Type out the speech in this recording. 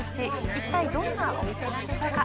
一体どんなお店なんでしょうか